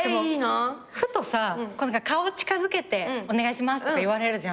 ふとさ「顔近づけてお願いします」とか言われるじゃん。